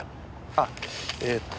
あっえっと